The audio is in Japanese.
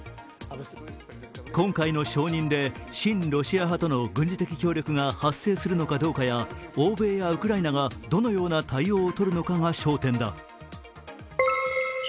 今回の承認で親ロシア派との軍事的協力が発生するのかどうかや欧米やウクライナがどのような対応をとるのかが焦点だ。